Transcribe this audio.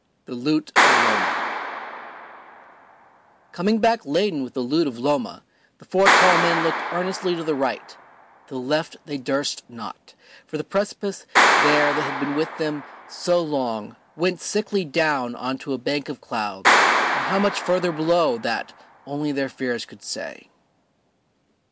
The Loot of Loma Coming back laden with the loot of Loma, the four tall men looked earnestly to the right; to the left they durst not, for the precipice there that had been with them so long went sickly down on to a bank of clouds, and how much further below that only their fears could say.